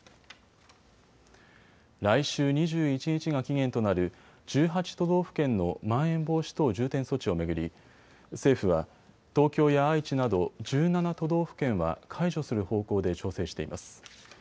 来週２１日が期限となる１８都道府県のまん延防止等重点措置を巡り政府は東京や愛知など１７都道府県は解除する方向で調整しています。